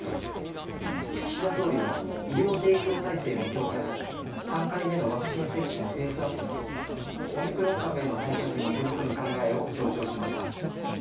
岸田総理は、医療提供体制の強化や、３回目のワクチン接種のペースアップなど、オミクロン株への対策に取り組む考えを強調しました。